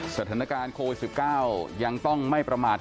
สถานการณ์โควิด๑๙ยังต้องไม่ประมาท